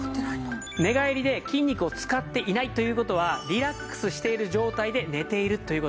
寝返りで筋肉を使っていないという事はリラックスしている状態で寝ているという事なんです。